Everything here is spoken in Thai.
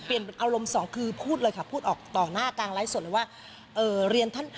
เปลี่ยนเป็นอารมณ์๒คือพูดเลยค่ะพูดออกต่อหน้ากลางไลฟ์สดเลยว่า